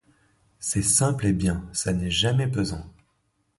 C'est simple et bien, ça n'est jamais pesant.